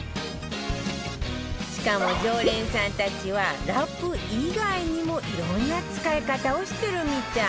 しかも常連さんたちはラップ以外にもいろんな使い方をしてるみたい